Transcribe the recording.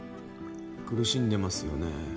苦しんでますよね。